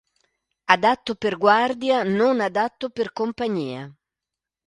Adatto per guardia, non adatto per compagnia.